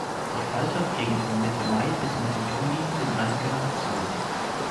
Die Falter fliegen von Mitte Mai bis Mitte Juli in einer Generation.